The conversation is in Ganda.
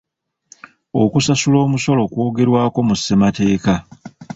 Okusasula omusolo kwogerwako mu ssemateeka.